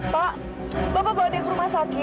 pak bapak bawa dia ke rumah sakit